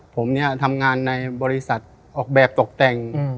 ผมเนี่ยทำงานในบริษัทออกแบบตกแต่ง